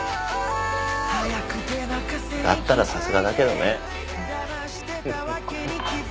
だったらさすがだけどね。